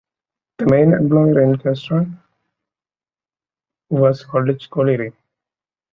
The main employer in Chesterton was Holditch Colliery.